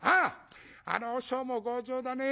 あの和尚も強情だねえ。